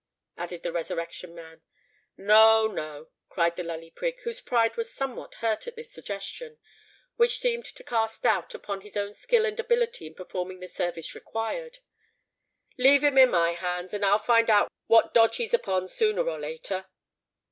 added the Resurrection Man. "No—no," cried the Lully Prig, whose pride was somewhat hurt at this suggestion, which seemed to cast a doubt upon his own skill and ability in performing the service required: "leave him in my hands, and I'll find out what dodge he's upon sooner or later."